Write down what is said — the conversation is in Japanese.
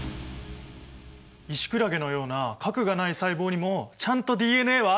イシクラゲのような核がない細胞にもちゃんとＤＮＡはあるんだね。